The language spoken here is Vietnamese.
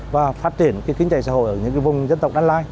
và phát triển kinh tế xã hội ở những vùng dân tộc đàn lai